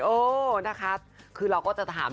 เออนะคะคือเราก็จะถาม